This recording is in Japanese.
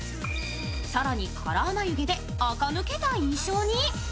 更にカラー眉毛であか抜けた印象に。